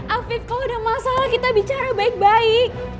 alvif kalau ada masalah kita bicara baik baik